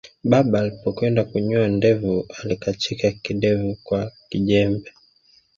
Baba alipokwenda kunyoa ndevu alikachika kidevu kwa kijembe